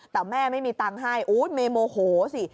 แต่แม่ไม่มีตังค์ให้โอ้โหเมโมโหสิ